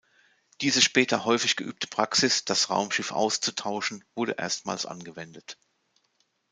Diese später häufig geübte Praxis, das Raumschiff auszutauschen, wurde erstmals angewendet.